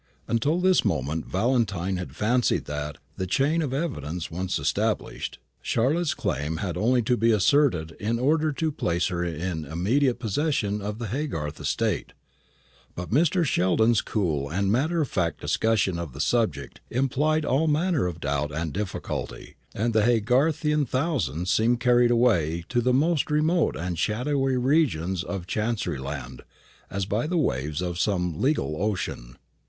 Until this moment Valentine had fancied that, the chain of evidence once established, Charlotte's claim had only to be asserted in order to place her in immediate possession of the Haygarth estate. But Mr. Sheldon's cool and matter of fact discussion of the subject implied all manner of doubt and difficulty, and the Haygarthian thousands seemed carried away to the most remote and shadowy regions of Chanceryland, as by the waves of some legal ocean.